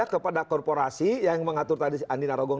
kepada korporasi yang mengatur tadi andi narogong